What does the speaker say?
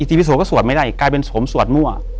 อิติปิโสก็สวดไม่ได้กลายเป็นผมสวดมั่ว